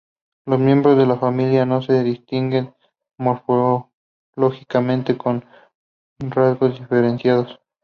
Los miembros de la familia no se distinguen morfológicamente con rasgos diferenciados.